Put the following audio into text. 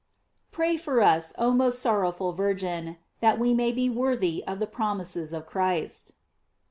Pray for us, oh most sorrowful Virgin; That we may be worthy of the promises of Christ.